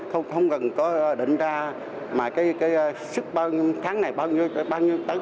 không cần có định ra mà cái sức bao nhiêu tháng này bao nhiêu tháng